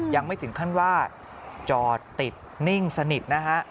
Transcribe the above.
ยังไม่ถึงขั้นว่าจอดติดนิ่งสนิทนะฮะ